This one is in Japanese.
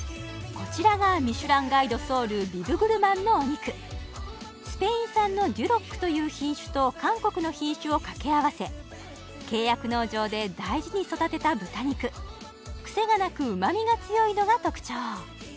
こちらがミシュランガイドソウルビブグルマンのお肉スペイン産のデュロックという品種と韓国の品種を掛け合わせ契約農場で大事に育てた豚肉クセがなく旨みが強いのが特徴